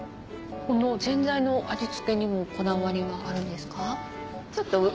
このぜんざいの味付けにもこだわりはあるんですか？